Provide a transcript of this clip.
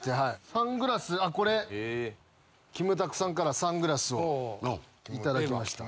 サングラスこれキムタクさんからサングラスを頂きました。